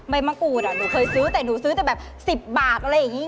มะกรูดหนูเคยซื้อแต่หนูซื้อแต่แบบ๑๐บาทอะไรอย่างนี้